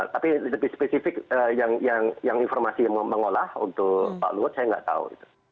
tapi lebih spesifik yang informasi yang mengolah untuk pak luhut saya tidak tahu